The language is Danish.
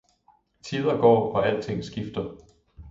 Tiden går og alting skifter!